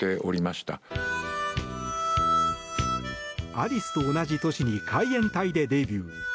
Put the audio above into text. アリスと同じ年に海援隊でデビュー。